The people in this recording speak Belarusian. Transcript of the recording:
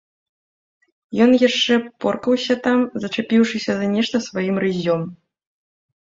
Ён яшчэ поркаўся там, зачапіўшыся за нешта сваім рыззём.